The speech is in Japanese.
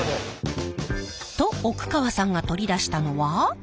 と奥川さんが取り出したのは。